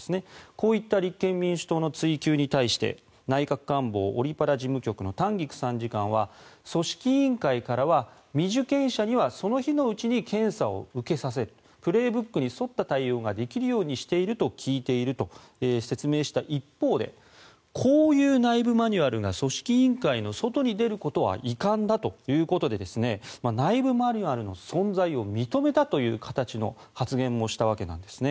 こういった立憲民主党の追及に対して内閣官房オリ・パラ事務局の丹菊参事官は組織委員会からは未受検者にはその日のうちに検査を受けさせる「プレーブック」に沿った対応ができるようにしていると聞いていると説明した一方でこういう内部マニュアルが組織委員会の外に出ることは遺憾だということで内部マニュアルの存在を認めたという形の発言もしたわけなんですね。